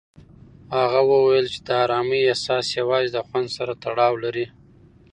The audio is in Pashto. هغه وویل چې د ارامۍ احساس یوازې د خوند سره تړاو لري.